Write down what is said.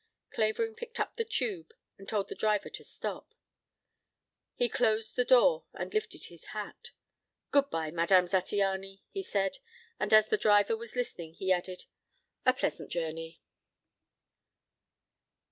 Clavering picked up the tube and told the driver to stop. He closed the door and lifted his hat. "Good bye, Madame Zattiany," he said. And as the driver was listening, he added: "A pleasant journey."